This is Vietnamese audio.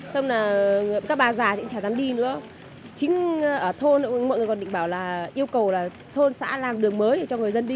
xong là các bà già cũng chả dám đi nữa chính ở thôn mọi người còn định bảo là yêu cầu là thôn xã làm đường mới cho người dân đi